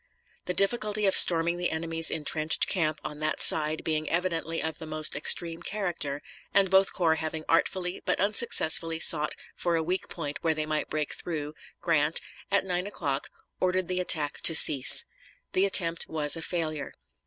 The difficulty of storming the enemy's intrenched camp on that side being evidently of the most extreme character, and both corps having artfully but unsuccessfully sought for a weak point where they might break through, Grant, at nine o'clock, ordered the attack to cease. The attempt was a failure.